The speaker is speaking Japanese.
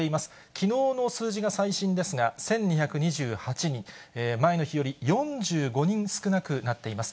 きのうの数字が最新ですが、１２２８人、前の日より４５人少なくなっています。